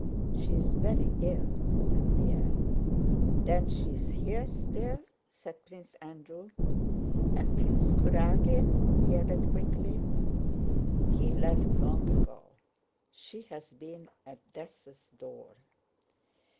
"She is very ill," said Pierre. "Then she is here still?" said Prince Andrew. "And Prince Kurágin?" he added quickly. "He left long ago. She has been at death's door."